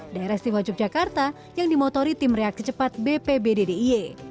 daerah sivo yogyakarta yang dimotori tim reaksi cepat bp bddi